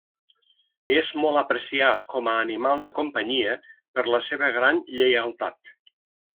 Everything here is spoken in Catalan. És molt apreciat com a animal de companyia per la seva gran lleialtat.